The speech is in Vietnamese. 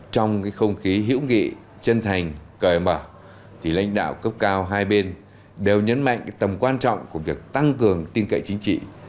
trong không khí hữu nghị chân thành cờ mở lãnh đạo cấp cao hai bên đều nhấn mạnh tầm quan trọng của việc tăng cường tin cậy chính trị